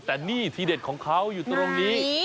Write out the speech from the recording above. แต่นี่ทีเด็ดของเขาอยู่ตรงนี้